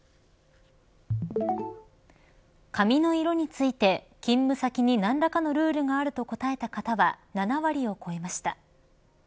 髪の色について勤務先に何らかのルールがあると答えた方は７割を超えました。